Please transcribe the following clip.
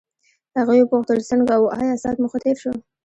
هغې وپوښتل څنګه وو آیا ساعت مو ښه تېر شو.